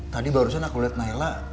tadi barusan aku lihat naila